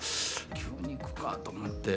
牛肉かと思って。